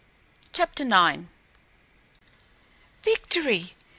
CHAPTER IX. Victory!